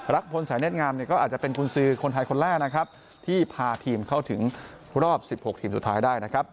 พลสายเน็ตงามเนี่ยก็อาจจะเป็นกุญสือคนไทยคนแรกนะครับที่พาทีมเข้าถึงรอบ๑๖ทีมสุดท้ายได้นะครับ